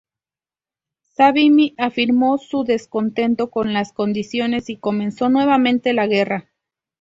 Savimbi afirmó su descontento con las condiciones y comenzó nuevamente la guerra.